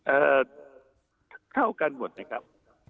เอ่อเท่ากันหมดนะครับ